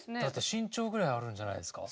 身長ぐらいあるんじゃないですか？